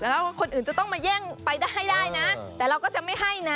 แต่ว่าคนอื่นจะต้องมาแย่งไปให้ได้นะแต่เราก็จะไม่ให้นะ